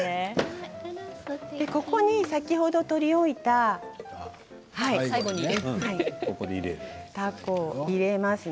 ここに先ほど取り置いたたこを入れますね。